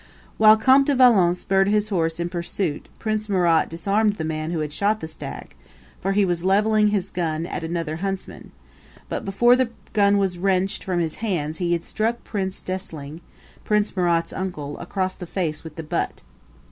While Comte de Valon spurred his horse in pursuit Prince Murat disarmed the man who had shot the stag, for he was leveling his gun at another huntsman; but before the gun was wrenched from his hands he had struck Prince d'Essling, Prince Murat's uncle, across the face with the butt.